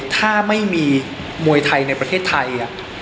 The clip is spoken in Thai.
ถ้าไม่มีมวยไทยในประเทศไทย